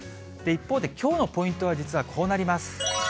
一方で、きょうのポイントは実はこうなります。